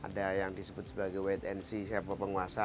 ada yang disebut sebagai wait and see siapa penguasa